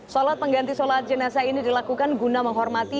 sholat pengganti sholat jenazah ini dilakukan guna menghormati